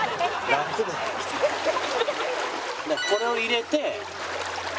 これを入れて。